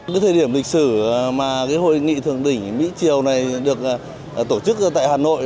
cái thời điểm lịch sử mà cái hội nghị thượng đỉnh mỹ triều này được tổ chức tại hà nội